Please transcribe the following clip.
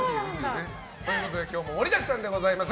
今日も盛りだくさんでございます。